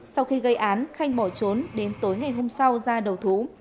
sau khi gây án khanh bỏ trốn đến tối ngày hôm sau ra đầu thú